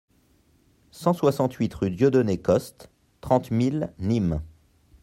cent soixante-huit rue Dieudonné Coste, trente mille Nîmes